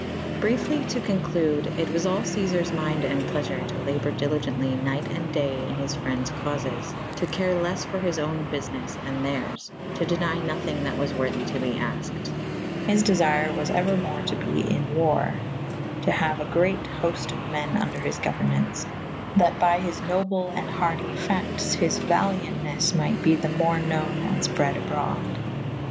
Briefly to conclude it was al Ceazars mynde and pleafure to labour dilygently nyght and daye in his frendes caufes / to care leffe for his owne bufynes than theyrs / to deny nothynge that was worthy to be afked / his defyre was euermore to be in werre / to haue a great hooft of me« vnder his gouernaunce / that by his noble and hardy fayctes his valyantnes myght be the more knowen & fpred abrod.